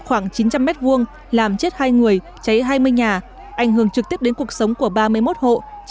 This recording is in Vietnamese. khoảng chín trăm linh m hai làm chết hai người cháy hai mươi nhà ảnh hưởng trực tiếp đến cuộc sống của ba mươi một hộ